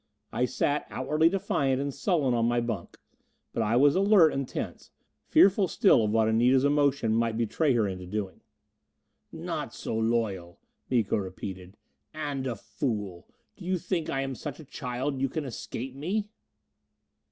I sat outwardly defiant and sullen on my bunk. But I was alert and tense, fearful still of what Anita's emotion might betray her into doing. "Not so loyal," Miko repeated. "And a fool! Do you think I am such a child you can escape me!"